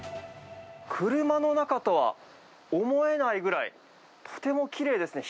車の中とは思えないぐらい、とてもきれいですね。